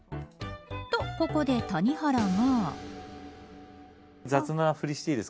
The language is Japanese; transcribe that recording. と、ここで谷原が。